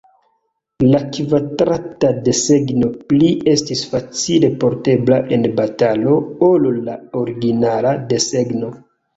La kvadrata desegno pli estis facile portebla en batalo ol la originala desegno.